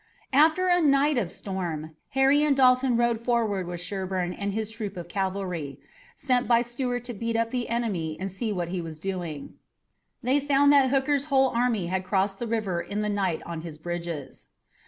After a night of storm, Harry and Dalton rode forward with Sherburne and his troop of cavalry, sent by Stuart to beat up the enemy and see what he was doing. They found that Hooker's whole army had crossed the river in the night on his bridges.